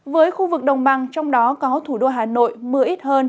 với khu vực đồng bằng trong đó có thủ đô hà nội mưa ít hơn